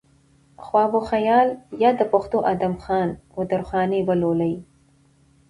خواب وخيال يا د پښتو ادم خان و درخانۍ ولولئ